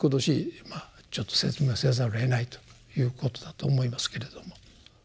ちょっと説明をせざるをえないということだと思いますけれども。